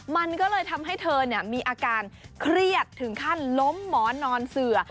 มันก็เลยทำให้เธอมีอาการเครียดถึงขั้นล้มหมอนนอนเสือ